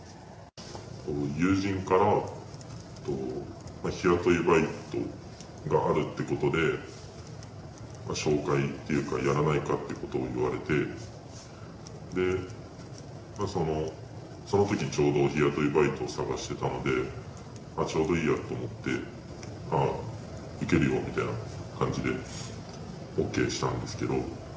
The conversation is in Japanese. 友人から日雇いバイトがあるってことで、紹介というか、やらないかということを言われて、そのときちょうど日雇いバイト探してたので、ちょうどいいやと思って、受けるよみたいな感じでＯＫしたんですけど。